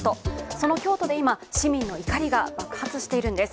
その京都で今、市民の怒りが爆発しているんです。